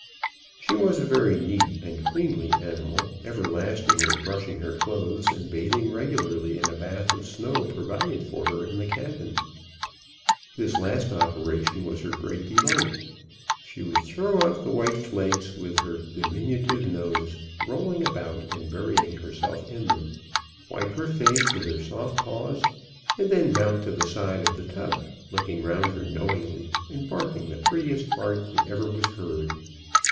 She was a very neat and cleanly creature, everlastingly brushing her clothes, and bathing regularly in a bath of snow provided for her in the cabin. This last operation was her great delight. She would throw up the white flakes with her diminutive nose, rolling about and burying herself in them, wipe her face with her soft paws, and then mount to the side of the tub, looking round her knowingly, and barking the prettiest bark that ever was heard.